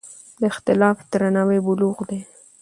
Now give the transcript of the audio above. د اختلاف درناوی بلوغ دی